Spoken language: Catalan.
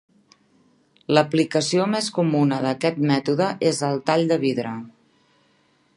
L'aplicació més comuna d'aquest mètode és el tall de vidre.